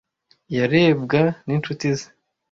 Yarebwa ninshuti ze.